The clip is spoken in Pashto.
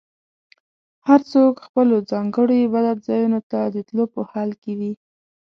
هر څوک خپلو ځانګړو عبادت ځایونو ته د تلو په حال کې وي.